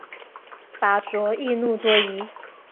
拔灼易怒多疑。